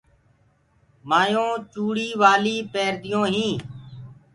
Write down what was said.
مآيونٚ چوُڙي والي پيرديونٚ هينٚ